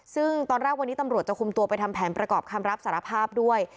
ซึ่งตอนแรกวันนี้ตำรวจจะคุมตัวไปทำแผนประกอบคำรับสารภาพด้วย